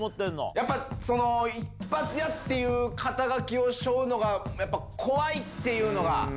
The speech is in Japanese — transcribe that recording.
やっぱ、一発屋っていう肩書をしょうのが怖いっていうのが。